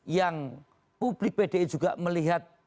yang publik pdi juga melihat